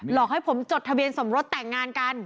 อกให้ผมจดทะเบียนสมรสแต่งงานกัน